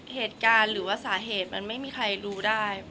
เหตุการณ์หรือว่าสาเหตุมันไม่มีใครรู้ได้